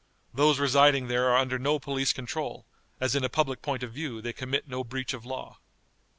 Those residing there are under no police control, as in a public point of view they commit no breach of law.